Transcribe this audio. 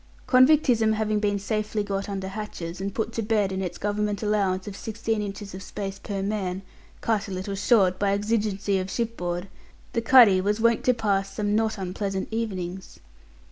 Convictism having been safely got under hatches, and put to bed in its Government allowance of sixteen inches of space per man, cut a little short by exigencies of shipboard, the cuddy was wont to pass some not unpleasant evenings.